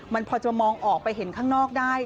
มันพอจะมองออกไปเห็นข้างนอกได้